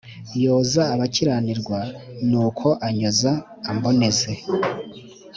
Yoza, abakiranirwa, Nuko anyoza amboneze.